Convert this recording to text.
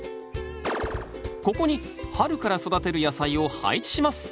ここに春から育てる野菜を配置します。